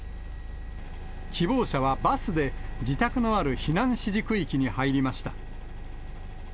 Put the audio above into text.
希望者はバスで、自宅のある避難指示区域に入りました。